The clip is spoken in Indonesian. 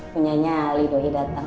punya nyali doi datang